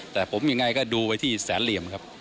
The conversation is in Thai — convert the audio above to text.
แต่ผมยังไงก็ดูไว้ที่แสนเหลี่ยมครับ